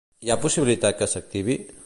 Hi ha possibilitat que s'activi?